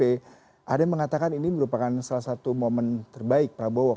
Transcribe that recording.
ada yang mengatakan ini merupakan salah satu momen terbaru